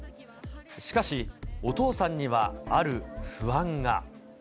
しかし、お父さんにはある不安が。